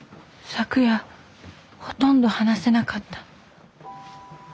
昨夜ほとんど話せなかった。